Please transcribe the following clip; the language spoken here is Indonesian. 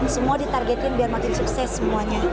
semua ditargetin biar makin sukses semuanya